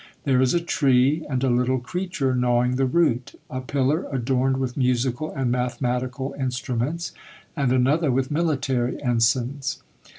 There is a tree, and a little creature gnawing the root, a pillar adorned with musical and mathematical instruments, and another with military ensigns.